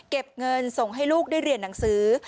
เก็บเงินส่งให้ลูกได้เรียนหนังสือ